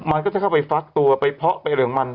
มันก็จะเข้าไปฟักตัวไปเพาะไปเหลืองมัน